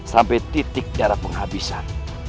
sampai titik darah penghabisan